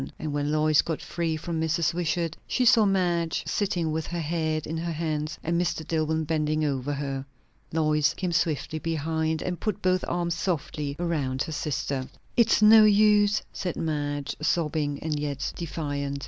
And when Lois got free from Mrs. Wishart, she saw Madge sitting with her head in her hands, and Mr. Dillwyn bending over her. Lois came swiftly behind and put both arms softly around her sister. "It's no use!" said Madge, sobbing and yet defiant.